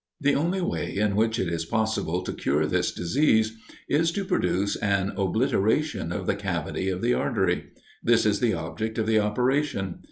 The only way in which it is possible to cure this disease is, to produce an obliteration of the cavity of the artery. This is the object of the operation.